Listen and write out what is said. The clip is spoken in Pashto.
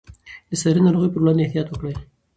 د ساري ناروغیو پر وړاندې احتیاط وکړئ.